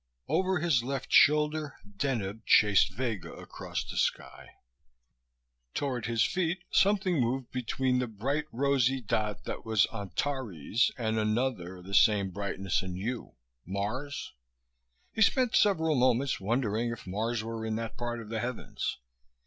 Over his left shoulder Deneb chased Vega across the sky; toward his feet something moved between the bright rosy dot that was Antares and another, the same brightness and hue Mars? He spent several moments wondering if Mars were in that part of the heavens.